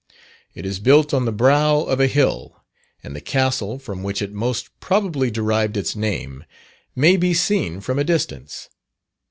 It is built on the brow of a hill, and the Castle from which it most probably derived its name, may be seen from a distance.